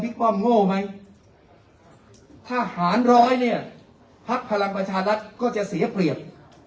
ป้อมโง่ไหมทหารร้อยเนี่ยพักพลังประชารัฐก็จะเสียเปรียบ